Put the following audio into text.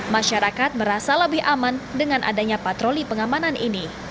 masyarakat merasa lebih aman dengan adanya patroli pengamanan ini